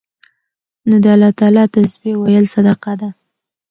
نو د الله تعالی تسبيح ويل صدقه ده